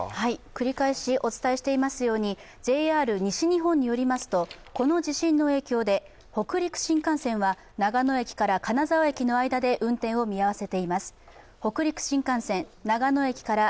繰り返しお伝えしていますように、ＪＲ西日本によりますと、この地震の影響で北陸新幹線は長野駅から金沢駅の間で運転を見合わせています。